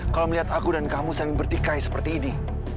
kalau melihat aku dan kamu saling bertikai seperti ini